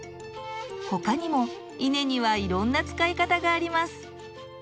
他にも稲にはいろんな使い方があります。